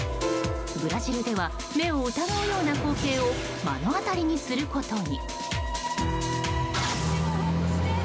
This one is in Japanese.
ブラジルでは目を疑うような光景を目の当たりにすることに。